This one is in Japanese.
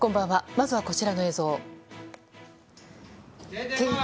まずはこちらの映像。